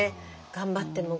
頑張っても。